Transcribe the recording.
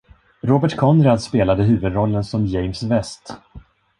Robert Conrad spelade huvudrollen som James West.